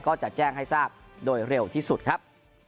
ก็จะแจ้งให้ทราบโดยเร็วที่สุดครับ